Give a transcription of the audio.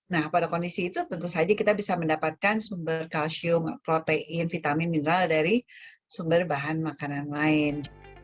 nah pada kondisi itu tentu saja kita bisa mendapatkan sumber kalsium protein vitamin mineral dari sumber bahan makanan lain